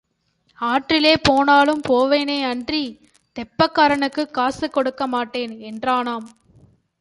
ஆற்றிலே போனாலும் போவேனே அன்றித் தெப்பக்காரனுக்குக் காசு கொடுக்க மாட்டேன் என்றானாம்.